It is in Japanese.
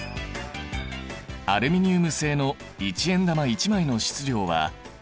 アルミニウム製の１円玉１枚の質量は１ｇ。